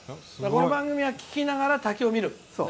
この番組は聞きながら滝を見る。